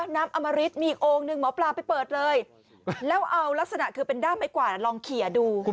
น้ำอมริตมีอีกโอ้งหนึ่งหมอปลาไปเปิดเลย